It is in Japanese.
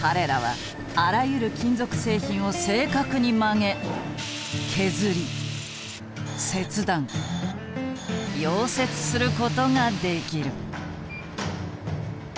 彼らはあらゆる金属製品を正確に曲げ削り切断溶接することができる。